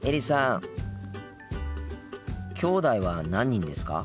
きょうだいは何人ですか？